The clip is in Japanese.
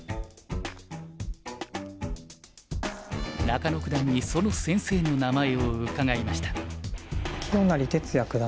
中野九段にその先生の名前を伺いました。